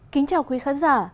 kính chào quý khán giả